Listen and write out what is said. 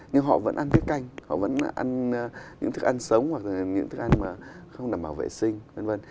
nhưng họ vẫn ăn thức canh họ vẫn ăn những thức ăn sống hoặc là những thức ăn không đảm bảo vệ sinh v v